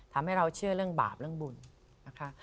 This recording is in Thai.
ทำให้เราเชื่อเรื่องบาปเรื่องบุญนะคะ